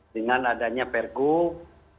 dengan adanya pergum